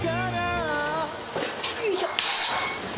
よいしょ。